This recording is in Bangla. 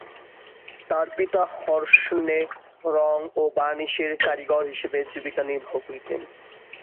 তাঁর পিতা হর্সনে রঙ ও বার্ণিশের কারিগর হিসেবে জীবিকা নির্বাহ করতেন।